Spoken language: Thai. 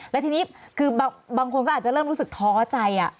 แล้วทีนี้คือบางคนก็อาจจะเริ่มรู้สึกท้อใจ